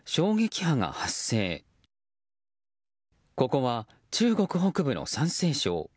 ここは、中国北部の山西省。